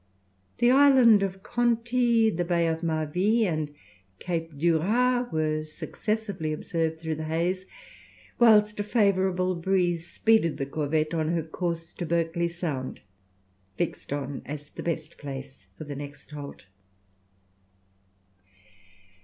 The island of Conti, the Bay of Marville, and Cape Duras, were successively observed through the haze, whilst a favourable breeze speeded the corvette on her course to Berkeley Sound, fixed on as the best place for the next halt.